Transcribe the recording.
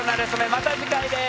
また次回です！